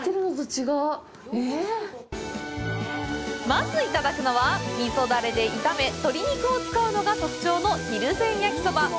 まずいただくのは味噌ダレで炒め鶏肉を使うのが特徴のひるぜん焼きそば。